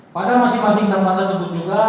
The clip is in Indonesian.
pada masing masing lembaga tersebut juga